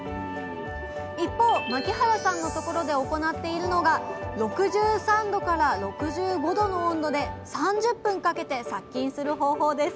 一方牧原さんのところで行っているのが６３℃から６５℃の温度で３０分かけて殺菌する方法です